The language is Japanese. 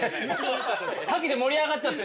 カキで盛り上がっちゃって。